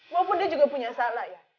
maupun dia juga punya salah ya